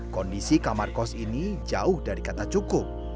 kondisi kamarkos ini jauh dari kata cukup